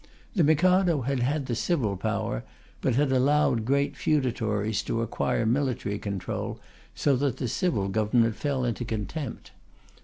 The Mikado had had the civil power, but had allowed great feudatories to acquire military control, so that the civil government fell into contempt.